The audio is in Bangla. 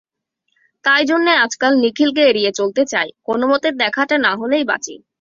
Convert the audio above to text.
তাই জন্যে আজকাল নিখিলকে এড়িয়ে চলতে চাই, কোনোমতে দেখাটা না হলেই বাঁচি।